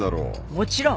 もちろん。